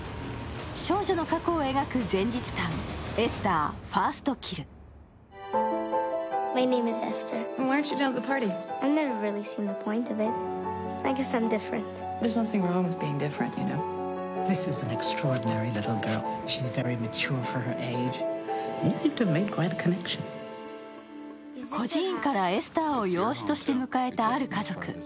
少女の過去を描く前日譚、「エスターファースト・キル」。孤児院からエスターを養子として迎えたある家族。